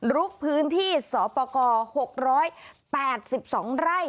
ลุกพื้นที่สปก๖๘๒ไร่